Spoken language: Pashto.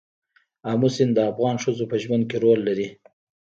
آمو سیند د افغان ښځو په ژوند کې رول لري.